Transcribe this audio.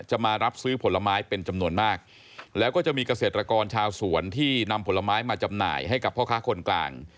มารับซื้อผลไม้เป็นจำนวนมากแล้วก็จะมีเกษตรกรชาวสวนที่นำผลไม้มาจำหน่ายให้กับพ่อค้าคนกลาง